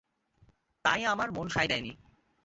তাই আমার মন সায় দেয়নি।